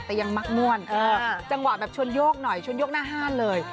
แต่ยังมักม่วนจังหวะแบบชวนโยกหน่อยชวนโยกหน้าห้านเลย